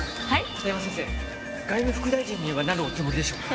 片山先生外務副大臣にはなるおつもりでしょうか？